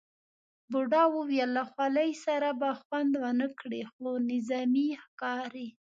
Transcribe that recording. بوډا وویل له خولۍ سره به خوند ونه کړي، خو نظامي ښکاري.